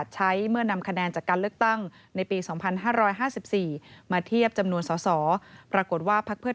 เมื่อนำคะแนนจากการเลือกตั้งในปี๒๕๕๔มาเทียบจำนวนสอสอปรากฏว่าพักเพื่อ